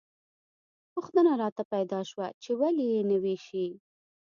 پوښتنه راته پیدا شوه چې ولې یې نه ویشي.